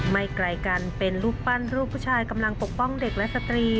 ไม่ไกลกันเป็นรูปปั้นรูปผู้ชายกำลังปกป้องเด็กและสตรี